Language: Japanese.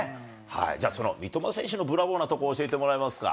じゃあ、その三笘選手のブラボーなところを教えてもらえますか。